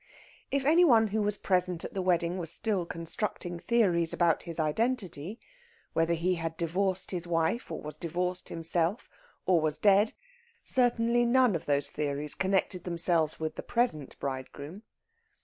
If any one who was present at the wedding was still constructing theories about his identity whether he had divorced his wife, was divorced himself, or was dead certainly none of those theories connected themselves with the present bridegroom.